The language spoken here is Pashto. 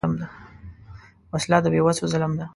وسله د بېوسو ظلم ده